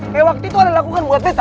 kayak waktu itu ali lakukan buat beta